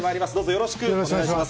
よろしくお願いします。